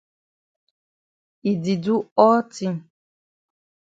E di do all tin.